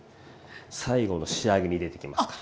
最後の仕上げに出てきますから。